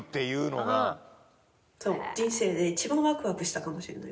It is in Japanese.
人生で一番ワクワクしたかもしれないぐらい。